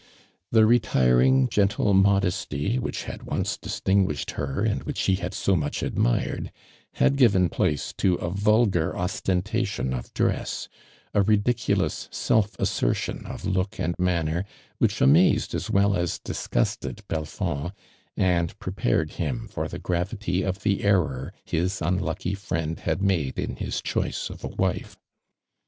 The re tiring, gen tie modesty which had once distinguished her and which he had so much, admired, had given place to a vulgar osten tation of dress — a ridiculous self assertion of look and manner which amazed as well as disgusted Belfond, and prepared him for the gravity of the error his unlucky friend had made in his choice of a wife.